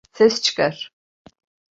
Ses çıkar!